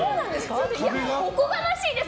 おこがましいです。